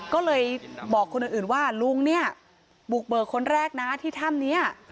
ก็เลยบอกคนอื่นว่าลุงเนี่ยบุกเบิกคนแรกนะที่ถ้ำนี้